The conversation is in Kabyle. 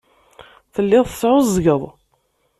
Telliḍ tesɛuẓẓgeḍ.